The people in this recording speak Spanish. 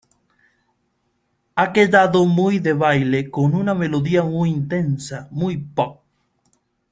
Ha quedado muy de baile con una melodía muy intensa, muy pop."".